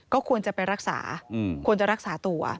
ก็ควรจะไปรักษาควรจะรักษาตัว